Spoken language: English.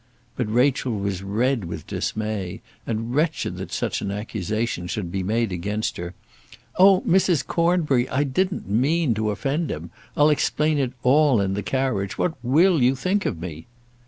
But Rachel was red with dismay, and wretched that such an accusation should be made against her. "Oh, Mrs. Cornbury, I didn't mean to offend him! I'll explain it all in the carriage. What will you think of me?"